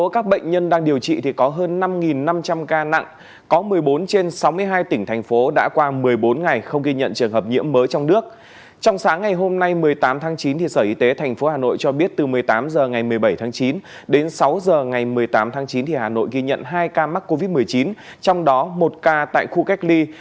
các bạn hãy đăng ký kênh để ủng hộ kênh của chúng mình nhé